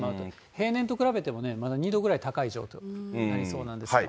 平年と比べてもね、まだ２度くらい高い状況になりそうなんですが。